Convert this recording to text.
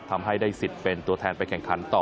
ทำให้ได้สิทธิ์เป็นตัวแทนไปแข่งขันต่อ